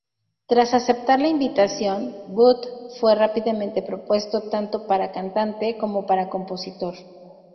Tras aceptar la invitación, Booth fue rápidamente propuesto tanto para cantante como para compositor.